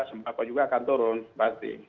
sembako juga akan turun pasti